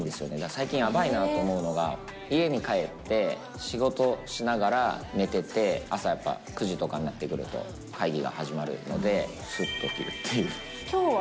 最近、やばいなと思うのが、家に帰って、仕事しながら、寝てて、朝やっぱ、９時とかになってくると会議が始まるので、きょうは？